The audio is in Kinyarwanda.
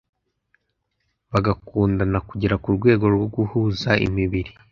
bagakundana kugera ku rwego rwo guhuza imibiri.